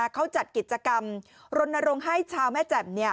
เขาจัดกิจกรรมรณรงค์ให้ชาวแม่แจ่ม